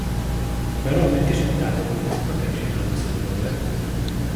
Però m'intix qed tagħti witness protection għall-whistleblower.